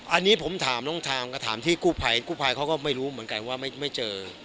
อันนี้ผมถามน้องทามก็ถามที่กู้ภัยกู้ภัยเขาก็ไม่รู้เหมือนกันว่าไม่เจอ